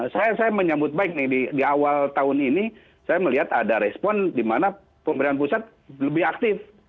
saya menyambut baik nih di awal tahun ini saya melihat ada respon di mana pemerintah pusat lebih aktif